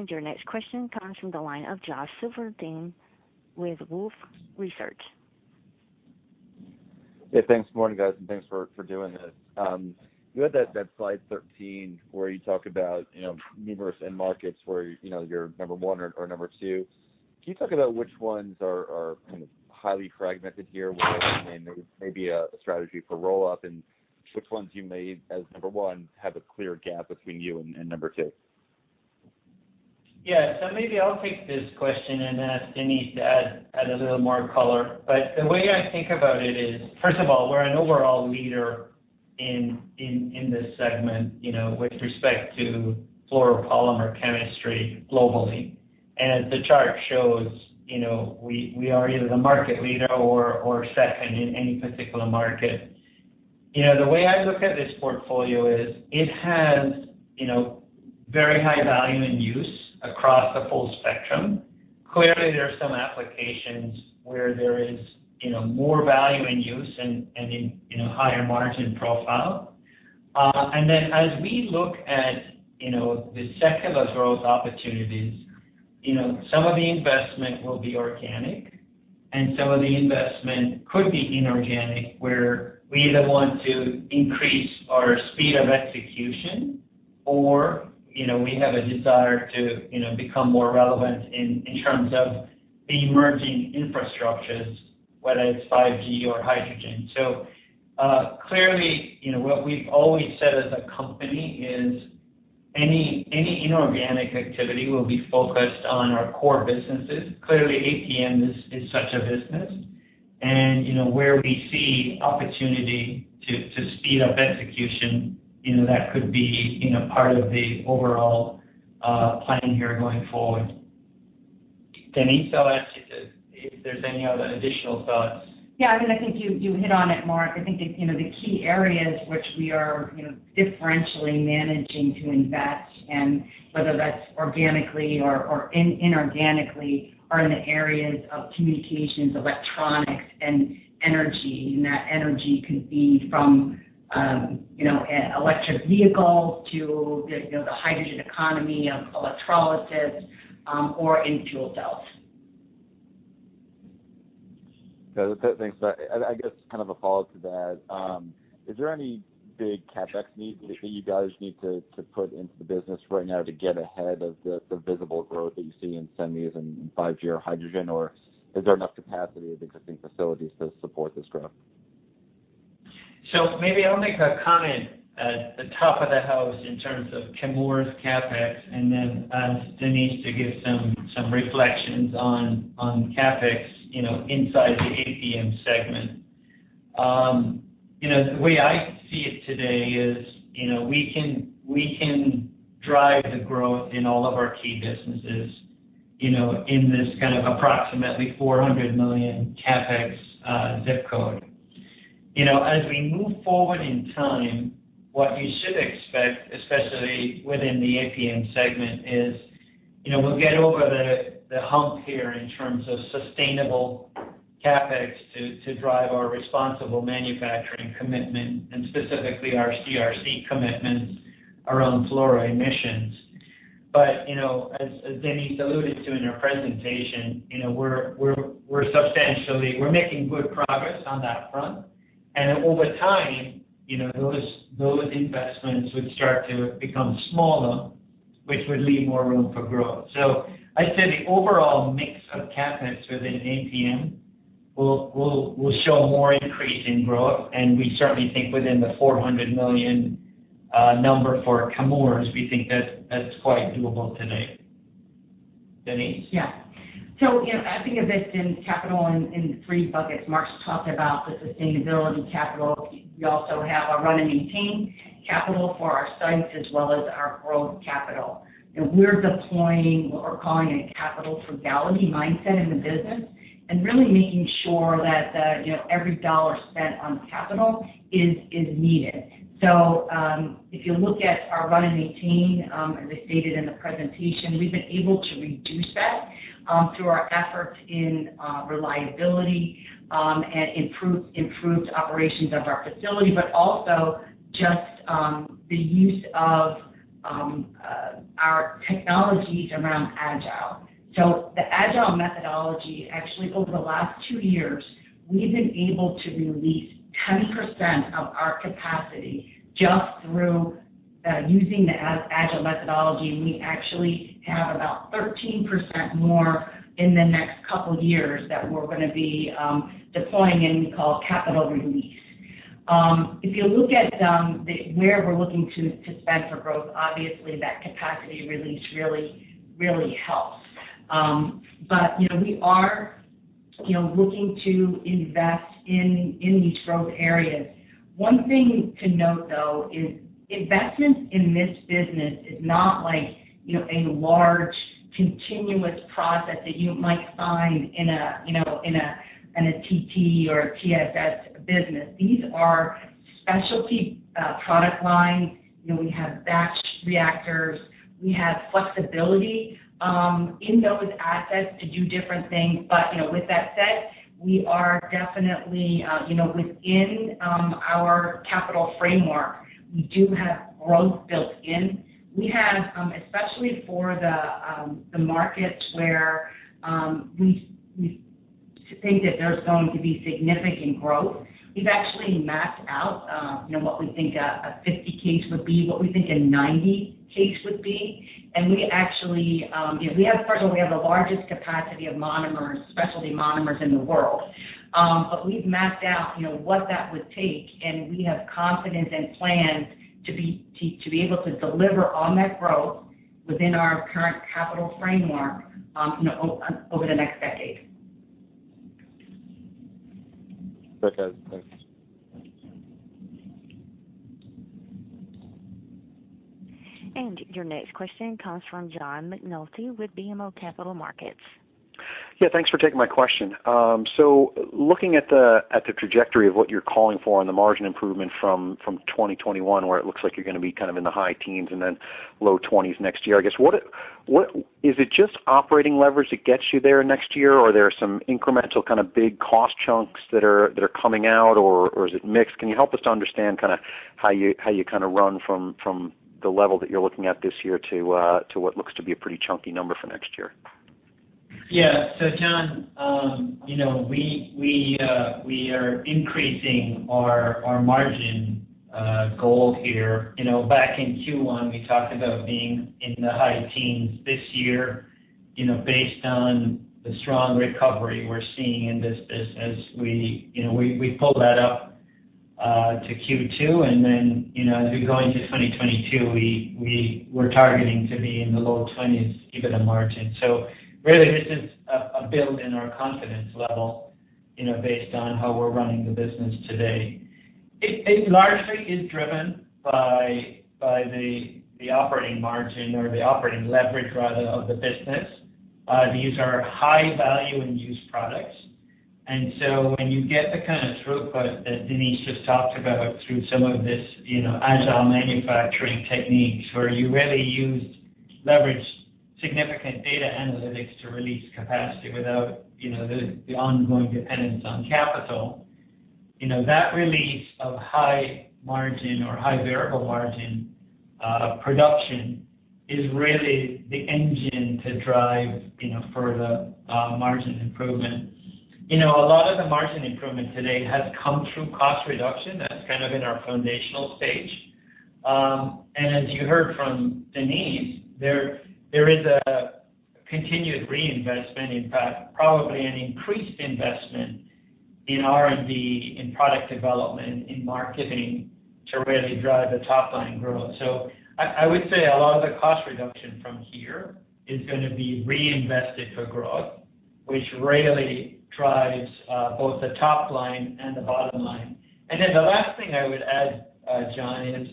Your next question comes from the line of Josh Silverstein with Wolfe Research. Yeah. Thanks. Morning, guys, and thanks for doing this. You had that slide 13 where you talked about numerous end markets where you're number one or number two. Can you talk about which ones are kind of highly fragmented here where there may be a strategy for roll-up, and which ones you may, as number one, have a clear gap between you and number two? Yeah. Maybe I'll take this question and ask Denise to add a little more color. The way I think about it is, first of all, we're an overall leader in this segment with respect to fluoropolymer chemistry globally. As the chart shows, we are either the market leader or second in any particular market. The way I look at this portfolio is it has very high value in use across the full spectrum. Clearly, there are some applications where there is more value in use and in higher margin profile. As we look at the secular growth opportunities, some of the investment will be organic and some of the investment could be inorganic, where we either want to increase our speed of execution or we have a desire to become more relevant in terms of the emerging infrastructures, whether it's 5G or hydrogen. Clearly, what we've always said as a company is any inorganic activity will be focused on our core businesses. Clearly, APM is such a business. Where we see opportunity to speed up execution, that could be part of the overall planning here going forward. Denise, if there's any other additional thoughts. Yeah. I think you hit on it, Mark. I think the key areas which we are differentially managing to invest in, whether that's organically or inorganically, are in the areas of communications, electronics, and energy. That energy could be from in electric vehicles to the hydrogen economy of electrolysis or in fuel cells. Thanks. I guess kind of a follow-up to that. Is there any big CapEx needs that you guys need to put into the business right now to get ahead of the visible growth that you see in semis and bio hydrogen, or is there enough capacity of existing facilities to support this growth? Maybe I'll make a comment at the top of the house in terms of Chemours CapEx, and then ask Denise to give some reflections on CapEx inside the APM segment. The way I see it today is we can drive the growth in all of our key businesses in this kind of approximately $400 million CapEx zip code. As we move forward in time, what you should expect, especially within the APM segment, is we'll get over the hump here in terms of sustainable CapEx to drive our responsible manufacturing commitment and specifically our CRC commitments around fluoride emissions. As Denise alluded to in her presentation, we're making good progress on that front. Over time, those investments would start to become smaller, which would leave more room for growth. I'd say the overall mix of CapEx within APM will show more increase in growth, and we certainly think within the $400 million number for Chemours, we think that that's quite doable today. Denise? I think of it in capital in three buckets. Mark's talked about the sustainability capital. We also have our run and maintain capital for our sites as well as our growth capital. We're deploying what we're calling a capital frugality mindset in the business and really making sure that every dollar spent on capital is needed. If you look at our run and maintain, as I stated in the presentation, we've been able to reduce that through our efforts in reliability and improved operations of our facility, but also just the use of our technologies around Agile. The Agile methodology, actually over the last two years, we've been able to release 10% of our capacity just through using the Agile methodology, and we actually have about 13% more in the next couple of years that we're going to be deploying in what we call capital release. If you look at where we're looking to spend for growth, obviously that capacity release really helps. We are looking to invest in these growth areas. One thing to note, though, is investment in this business is not like a large continuous project that you might find in a TT or a TSS business. These are specialty product lines. We have batch reactors. We have flexibility in those assets to do different things. With that said, we are definitely within our capital framework. We do have growth built in. Especially for the markets where we think that there's going to be significant growth, we've actually mapped out what we think a 50 case would be, what we think a 90 case would be. We have the largest capacity of monomers, specialty monomers in the world. We've mapped out what that would take, and we have confidence and plans to be able to deliver on that growth within our current capital framework over the next decade. Okay, thanks. Your next question comes from John McNulty with BMO Capital Markets. Yeah, thanks for taking my question. Looking at the trajectory of what you're calling for on the margin improvement from 2021, where it looks like you're going to be kind of in the high teens and then low 20s next year, is it just operating leverage that gets you there next year, or are there some incremental kind of big cost chunks that are coming out, or is it mixed? Can you help us understand how you kind of run from the level that you're looking at this year to what looks to be a pretty chunky number for next year? John, we are increasing our margin goal here. Back in Q1, we talked about being in the high teens this year based on the strong recovery we're seeing in this business. We pulled that up to Q2, then as we go into 2022, we're targeting to be in the low 20s, EBITDA margin. Really this is a build in our confidence level based on how we're running the business today. It largely is driven by the operating margin or the operating leverage rather of the business. These are high value and use products. When you get the kind of throughput that Denise just talked about through some of these Agile manufacturing techniques where you really use significant data analytics to release capacity without the ongoing dependence on capital. That release of high margin or high variable margin production is really the engine to drive further margin improvement. A lot of the margin improvement today has come through cost reduction that's in our foundational stage. As you heard from Denise, there is a continued reinvestment, in fact, probably an increased investment in R&D, in product development, in marketing to really drive the top-line growth. I would say a lot of the cost reduction from here is going to be reinvested for growth, which really drives both the top line and the bottom line. The last thing I would add, John, is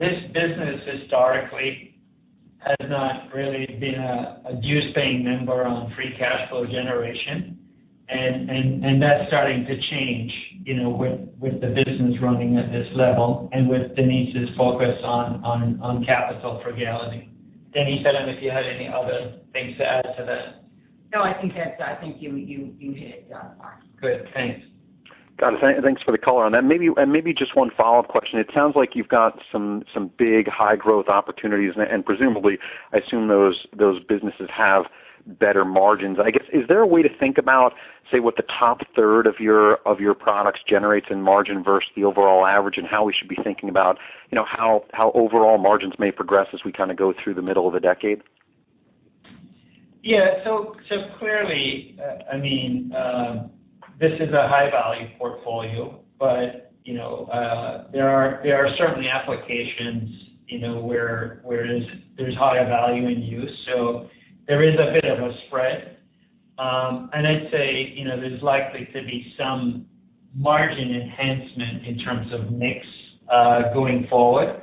this business historically has not really been a dues-paying member on free cash flow generation, and that's starting to change with the business running at this level and with Denise's focus on capital frugality. Denise, I don't know if you had any other things to add to that. No, I think you hit it, Mark. Good. Thanks. Got it. Thanks for the color. Maybe just one follow-up question. It sounds like you've got some big high-growth opportunities, and presumably, I assume those businesses have better margins. I guess, is there a way to think about, say, what the top third of your products generates in margin versus the overall average and how we should be thinking about how overall margins may progress as we go through the middle of the decade? Yeah. Clearly, this is a high-value portfolio, but there are certainly applications where there's higher value in use, so there is a bit of a spread. I'd say, there's likely to be some margin enhancement in terms of mix going forward.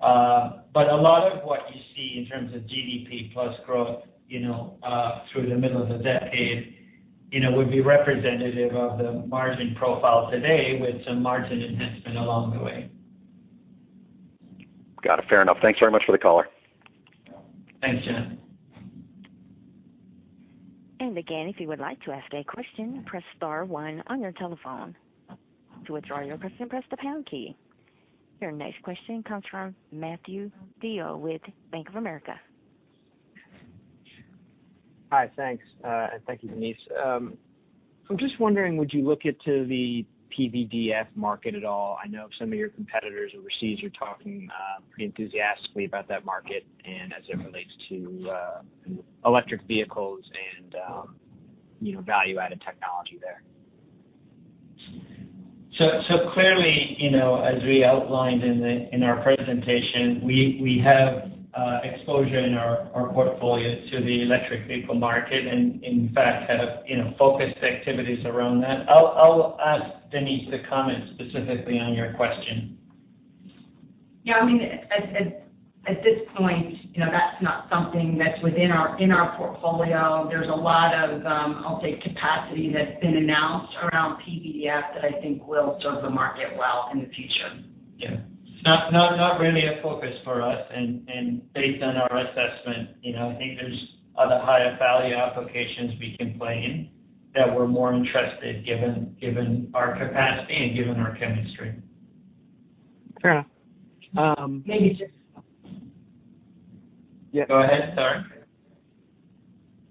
A lot of what you see in terms of GDP plus growth through the middle of the decade would be representative of the margin profile today with some margin enhancement along the way. Got it. Fair enough. Thanks very much for the color. Thanks, John. Again, if you would like to ask a question, press star one on your telephone. To withdraw your question, press the pound key. Your next question comes from Matthew DeYoe with Bank of America. Hi, thanks. Thank you, Denise. I'm just wondering, would you look into the PVDF market at all? I know some of your competitors overseas are talking pretty enthusiastically about that market and as it relates to electric vehicles and value-added technology there. Clearly, as we outlined in our presentation, we have exposure in our portfolios to the electric vehicle market and in fact have focused activities around that. I'll ask Denise to comment specifically on your question. Yeah, at this point, that's not something that's in our portfolio. There's a lot of, I'll say, capacity that's been announced around PVDF that I think will serve the market well in the future. It's not really a focus for us, and based on our assessment, I think there's other higher value applications we can play in that we're more interested given our capacity and given our chemistry. Fair. Go ahead, sorry.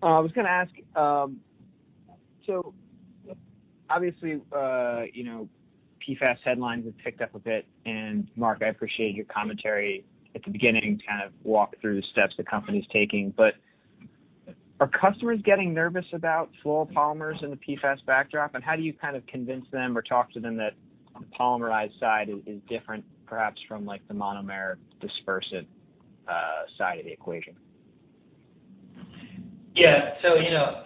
I was going to ask, obviously, PFAS headlines have picked up a bit, and Mark, I appreciate your commentary at the beginning, kind of walk through the steps the company's taking. Are customers getting nervous about fluoropolymers in the PFAS backdrop? How do you kind of convince them or talk to them that the polymerized side is different perhaps from the monomer dispersive side of the equation?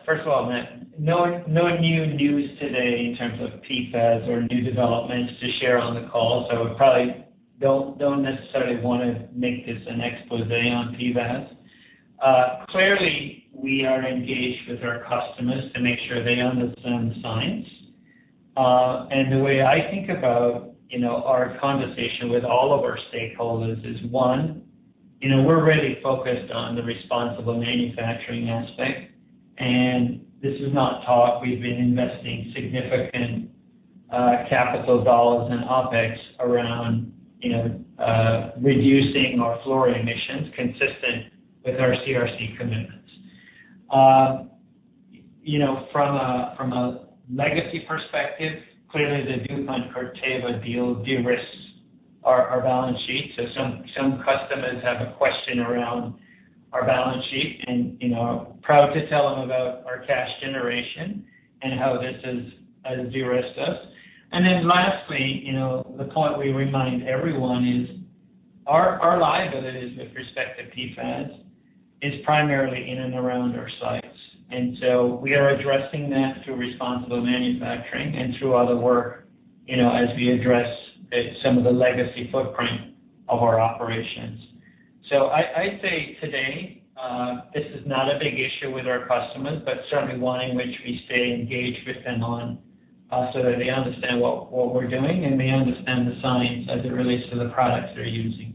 first of all, Matt, no new news today in terms of PFAS or new developments to share on the call, I probably don't necessarily want to make this an expose on PFAS. Clearly, we are engaged with our customers to make sure they understand the science. The way I think about our conversation with all of our stakeholders is, one, we're really focused on the responsible manufacturing aspect. This is not talk. We've been investing significant capital dollars and OPEX around reducing our fluoride emissions consistent with our CRC commitments. From a legacy perspective, clearly the DuPont Corteva deal de-risks our balance sheet. Some customers have a question around our balance sheet, and proud to tell them about our cash generation and how this has de-risked us. Lastly, the point we remind everyone is our liabilities with respect to PFAS is primarily in and around our sites. We are addressing that through responsible manufacturing and through other work as we address some of the legacy footprint of our operations. I'd say today, this is not a big issue with our customers, but certainly one in which we stay engaged with them on. They understand what we're doing, and they understand the science as it relates to the products they're using.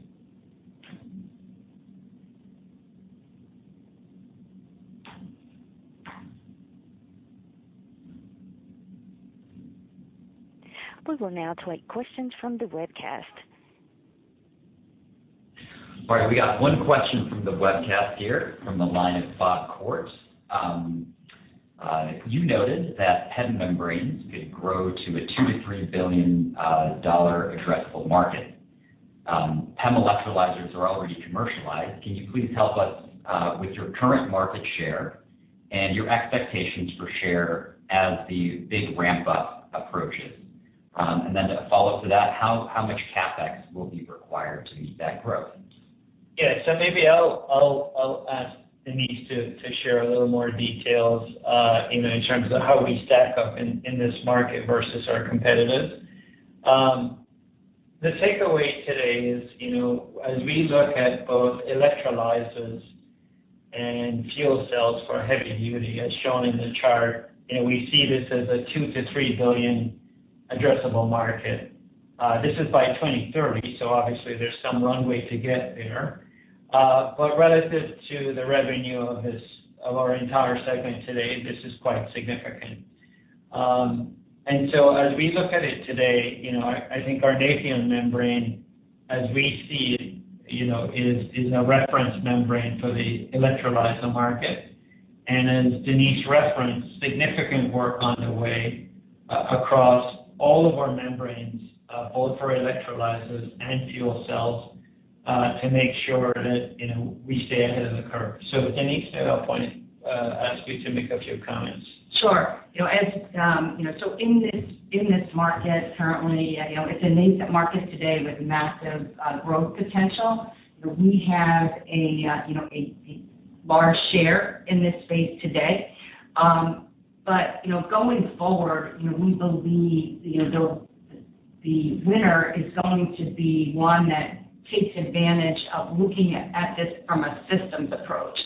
We will now take questions from the webcast. All right, we got one question from the webcast here, from the line of Bob Koort. You noted that PEM membranes could grow to a $2 billion-$3 billion addressable market. PEM electrolyzers are already commercialized. Can you please help us with your current market share and your expectations for share as the big ramp-up approaches? A follow-up to that, how much CapEx will be required to meet that growth? Yeah. Maybe I'll ask Denise to share a little more details in terms of how we stack up in this market versus our competitors. The takeaway today is, as we look at both electrolyzers and fuel cells for heavy duty, as shown in the chart, we see this as a $2 billion-$3 billion addressable market. This is by 2030, obviously there's some runway to get there. Relative to the revenue of our entire segment today, this is quite significant. As we look at it today, I think our Nafion membrane, as we see it, is a reference membrane for the electrolyzer market. As Denise referenced, significant work on the way across all of our membranes, both for electrolyzers and fuel cells, to make sure that we stay ahead of the curve. Denise, at that point, ask you to make a few comments. Sure. In this market currently, it's a nascent market today with massive growth potential. We have a large share in this space today. Going forward, we believe the winner is going to be one that takes advantage of looking at this from a systems approach.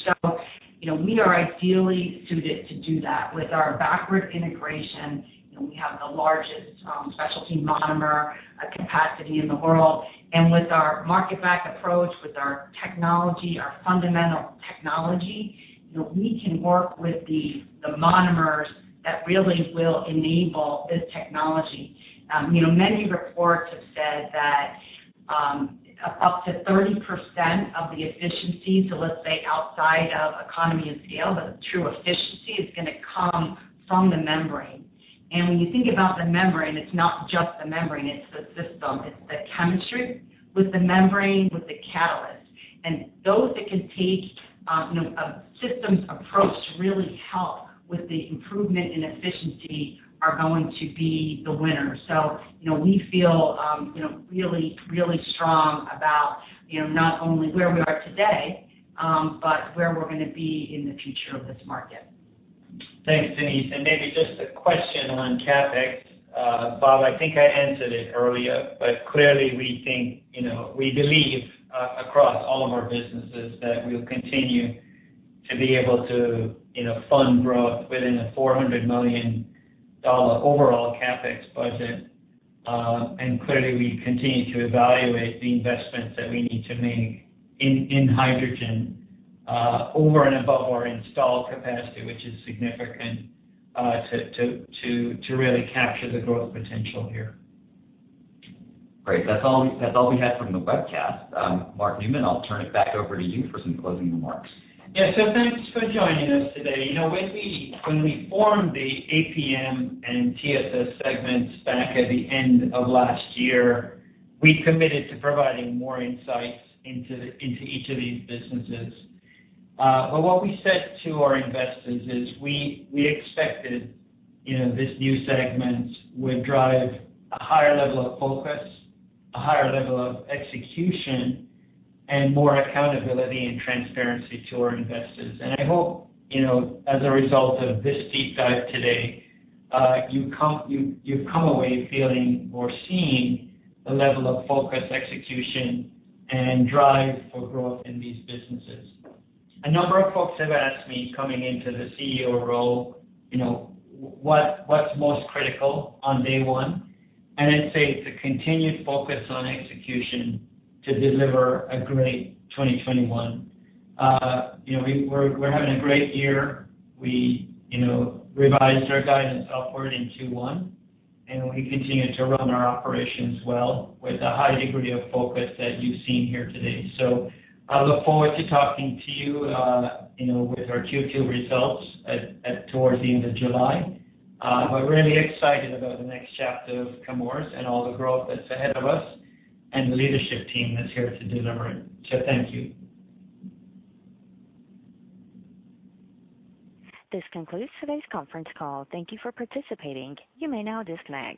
We are ideally suited to do that with our backward integration. We have the largest specialty monomer capacity in the world. With our market-back approach, with our technology, our fundamental technology, we can work with the monomers that really will enable this technology. Many reports have said that up to 30% of the efficiency, so let's say outside of economy of scale, but the true efficiency is going to come from the membrane. When you think about the membrane, it's not just the membrane, it's the system. It's the chemistry with the membrane, with the catalyst. Those that can take a systems approach to really help with the improvement in efficiency are going to be the winner. We feel really strong about not only where we are today, but where we're going to be in the future of this market. Thanks, Denise. Maybe just a question on CapEx. Bob, I think I answered it earlier, but clearly we think, we believe across all of our businesses that we'll continue to be able to fund growth within the $400 million overall CapEx budget. Clearly, we continue to evaluate the investments that we need to make in hydrogen over and above our installed capacity, which is significant to really capture the growth potential here. Great. That's all we had from the webcast. Mark Newman, I'll turn it back over to you for some closing remarks. Yeah. Thanks for joining us today. When we formed the APM and TSS segments back at the end of last year, we committed to providing more insights into each of these businesses. What we said to our investors is we expected this new segment would drive a higher level of focus, a higher level of execution, and more accountability and transparency to our investors. I hope, as a result of this deep dive today, you've come away feeling or seen the level of focus, execution, and drive for growth in these businesses. A number of folks have asked me, coming into the CEO role, what's most critical on day one, and I'd say it's a continued focus on execution to deliver a great 2021. We're having a great year. We revised our guidance upward in Q1, and we continue to run our operations well with a high degree of focus that you've seen here today. I look forward to talking to you with our Q2 results towards the end of July. Really excited about the next chapter of Chemours and all the growth that's ahead of us and the leadership team that's here to deliver it. Thank you. This concludes today's conference call. Thank you for participating. You may now disconnect.